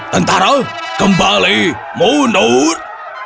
tentara kembali mundur